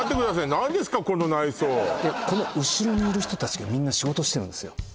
何ですかこの内装この後ろにいる人達がみんな仕事してるんですよ